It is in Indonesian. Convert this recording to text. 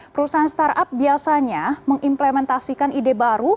perusahaan startup biasanya mengimplementasikan ide baru